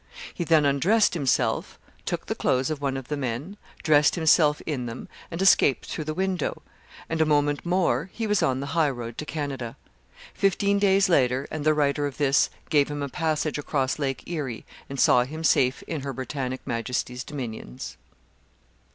He then undressed himself, took the clothes of one of the men, dressed himself in them, and escaped through the window, and, a moment more, he was on the high road to Canada. Fifteen days later, and the writer of this gave him a passage across Lake Erie, and saw him safe in her Britannic Majesty's dominions.